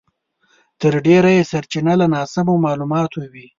تر ډېره یې سرچينه له ناسمو مالوماتو وي.